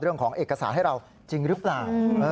เรื่องของเอกสารให้เราจริงหรือเปล่า